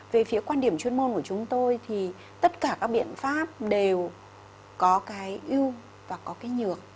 về phía quan điểm chuyên môn của chúng tôi thì tất cả các biện pháp đều có cái ưu và có cái nhược